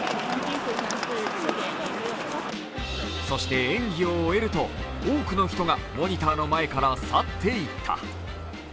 そして、演技を終えると多くの人がモニターの前から去っていった。